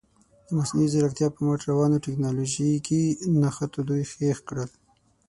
د مصنوعي زیرکتیا په مټ روانو تکنالوژیکي نښتو دوی هېښ کړل.